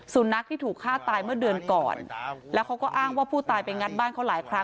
สุนัขที่ถูกฆ่าตายเมื่อเดือนก่อนแล้วเขาก็อ้างว่าผู้ตายไปงัดบ้านเขาหลายครั้ง